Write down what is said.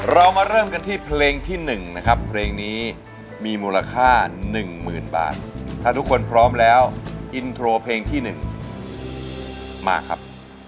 เรามาเริ่มกันที่เพลงที่๑นะครับเพลงนี้มีมูลค่า๑๐๐๐บาทถ้าทุกคนพร้อมแล้วอินโทรเพลงที่๑มาครับ